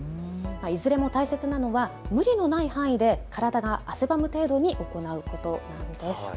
いずれも大切なのは無理のない範囲で体が汗ばむ程度に行うことなんです。